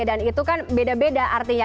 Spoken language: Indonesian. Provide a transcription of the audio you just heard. itu kan beda beda artinya